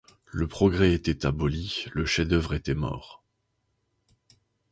Le progrès était aboli, le chef-d’œuvre était mort.